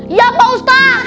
iya pak ustadz